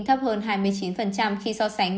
thấp hơn hai mươi chín khi so sánh